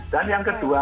dan yang kedua